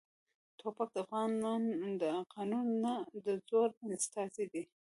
توپک د قانون نه، د زور استازی دی.